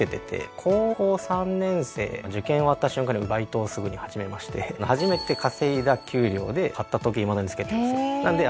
高校３年生の受験終わった瞬間にバイトをすぐに始めまして初めて稼いだ給料で買った時計いまだに着けてるんですよ。